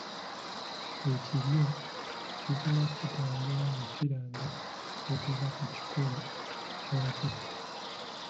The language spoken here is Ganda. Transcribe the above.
Ekiryo kikula kitambula nga kiranda okuva ku kikolo kyakyo.